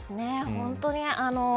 本当に。